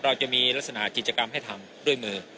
เราจะมีลักษณะกิจกรรมให้ทำด้วยมือ